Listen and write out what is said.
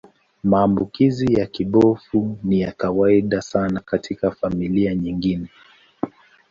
Maambukizi ya kibofu ni ya kawaida sana katika familia nyingine.